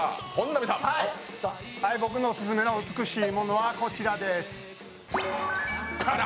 僕のオススメの美しいものはこちらです。